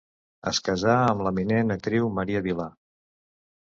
Es casà amb l'eminent actriu Maria Vila.